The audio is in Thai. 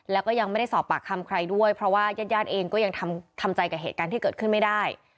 แล้วก็ยังไม่ได้สอบปากคำใครด้วยเพราะว่าญาติญาติเองก็ยังทำใจกับเหตุการณ์ที่เกิดขึ้นไม่ได้